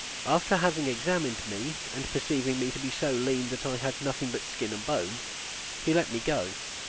After having examined me, and perceiving me to be so lean that I had nothing but skin and bone, he let me go.